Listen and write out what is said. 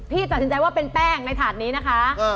ตัดสินใจว่าเป็นแป้งในถาดนี้นะคะ